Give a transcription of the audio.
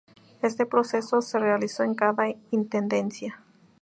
Este proceso se realizó en cada intendencia.